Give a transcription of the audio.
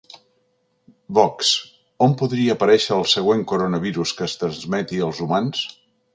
Vox: On podria aparèixer el següent coronavirus que es transmeti als humans?